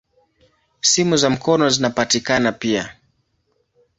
Simu za mkono zinapatikana pia.